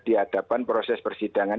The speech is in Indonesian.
di hadapan proses persidangan